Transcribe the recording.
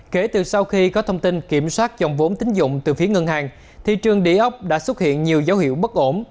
kể từ sau khi có thông tin kiểm soát dòng vốn tín dụng từ phía ngân hàng thị trường đề ốc đã xuất hiện nhiều dấu hiệu bất ổn